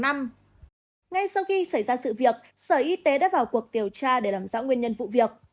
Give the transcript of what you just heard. ngay sau khi xảy ra sự việc sở y tế đã vào cuộc điều tra để làm rõ nguyên nhân vụ việc